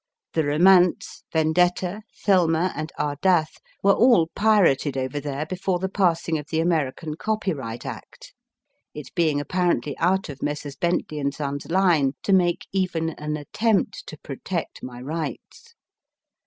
The Romance, Vendetta, Thelma and Ardath were all * pirated over there before the passing of the American Copyright Act, it being appa rently out of Messrs. Bentley & Son s line to make even an attempt to protect my rights.